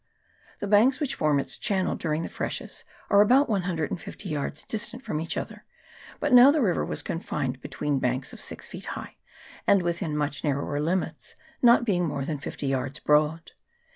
The banks which form its channel during freshes are about 150 yards distant from each other, but now the river was confined between banks of six feet high, and within much narrower limits, not being more than fifty yards broad.